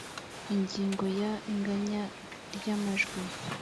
Ingingo ya inganya ry amajwi